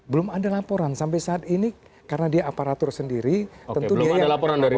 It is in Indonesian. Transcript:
belum ada laporan sampai saat ini karena dia aparatur sendiri tentu dia yang laporan